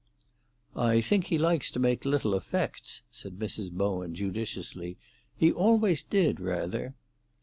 "I think he likes to make little effects," said Mrs. Bowen judiciously. "He always did, rather."